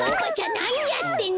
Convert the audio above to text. なにやってんの！